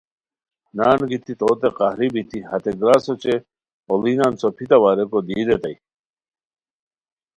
نان گیتی توتے قہری بیتی ہتے گراس اوچے اوڑینان څوپیتاوا ریکو دی ریتائے